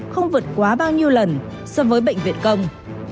không vượt quá bao nhiêu lần so với bệnh viện công